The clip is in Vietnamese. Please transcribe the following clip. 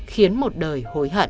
khiến một đời hối hận